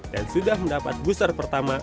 dan sudah mendapat booster pertama